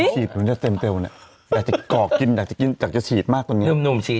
กอร์กกินอยากจะกลับเชียบมากกว่านี้